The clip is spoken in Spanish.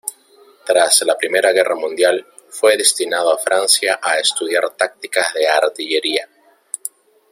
Tras la Primera Guerra Mundial fue destinado a Francia a estudiar tácticas de artillería.